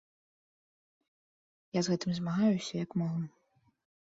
Я з гэтым змагаюся, як магу.